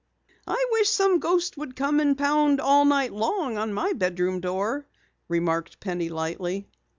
"I wish some ghost would come and pound all night long on my bedroom door," remarked Penny lightly.